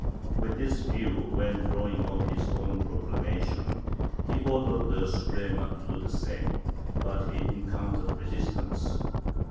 With this view, when drawing up his own proclamation, he ordered the Suprema to do the same, but he encountered resistance.